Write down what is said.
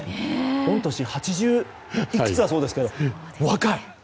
御年、八十いくつだそうですけど若い！